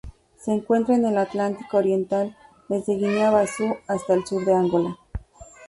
Se encuentra en el Atlántico oriental: desde Guinea-Bissau hasta el sur de Angola.